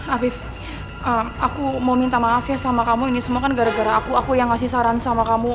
afif aku mau minta maaf ya sama kamu ini semua kan gara gara aku aku yang ngasih saran sama kamu